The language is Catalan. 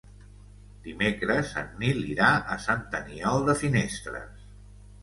Dimecres en Nil irà a Sant Aniol de Finestres.